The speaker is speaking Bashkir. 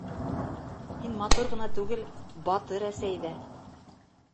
Һин матур ғына түгел, батыр әсәй ҙә!